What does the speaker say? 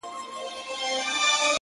له څه مودې ترخ يم خـــوابــــدې هغه ـ